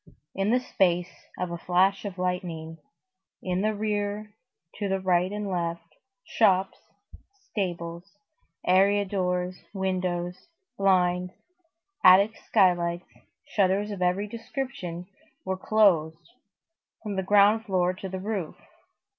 In the space of a flash of lightning, in the rear, to right and left, shops, stables, area doors, windows, blinds, attic skylights, shutters of every description were closed, from the ground floor to the roof.